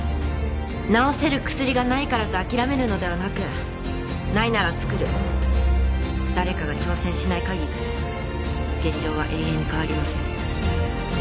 治せる薬がないからと諦めるのではなくないなら作る誰かが挑戦しない限り現状は永遠に変わりません